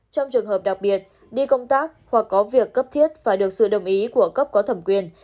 trong trường hợp đặc biệt đi công tác hoặc có việc cấp thiết phải được sự đồng ý của cấp có thẩm quyền